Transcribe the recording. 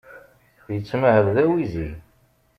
Yettmahal d awizi.